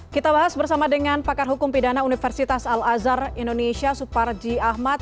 kita bahas bersama dengan pakar hukum pidana universitas al azhar indonesia suparji ahmad